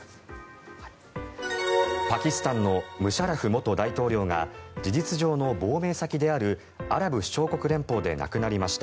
パキスタンのムシャラフ元大統領が事実上の亡命先であるアラブ首長国連邦で亡くなりました。